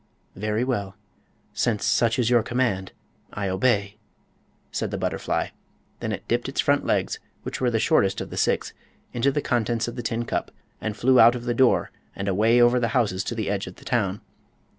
"Very well; since such is your command, I obey," said the butterfly. Then it dipped its front legs, which were the shortest of the six, into the contents of the tin cup, and flew out of the door and away over the houses to the edge of the town.